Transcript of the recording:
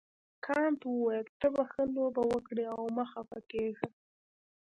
کانت وویل ته به ښه لوبه وکړې او مه خفه کیږه.